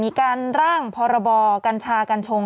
มีการร่างพรบกัญชากัญชง